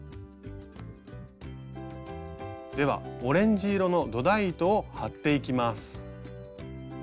ではオレンジ色の土台糸を張っていきます。